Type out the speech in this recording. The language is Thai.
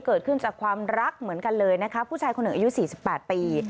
เกิดขึ้นจากความรักเหมือนกันเลยนะคะผู้ชายคนหนึ่งอายุ๔๘ปี